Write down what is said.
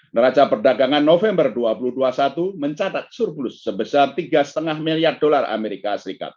neraca perdagangan november dua ribu dua puluh satu mencatat surplus sebesar tiga lima miliar dolar as